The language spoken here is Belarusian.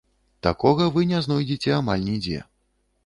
Такога вы не знойдзеце амаль нідзе.